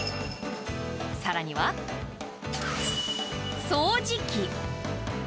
更には、掃除機。